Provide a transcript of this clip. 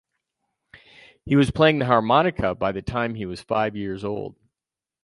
He was playing the harmonica by the time he was five years old.